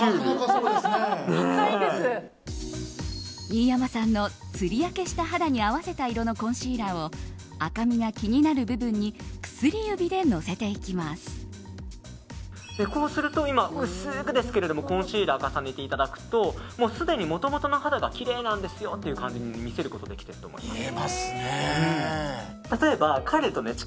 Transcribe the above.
新山さんの釣り焼けした肌に合わせた色のコンシーラーを赤みが気になる部分に今、薄くコンシーラーを重ねていただくとすでにもともとの肌がきれいなんですよっていう感じに見せることができてると思います。